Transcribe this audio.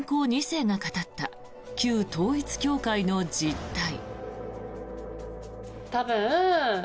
２世が語った旧統一教会の実態。